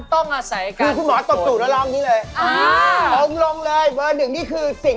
ทองเจ้าของเพลงเมื่อเมื่อกี้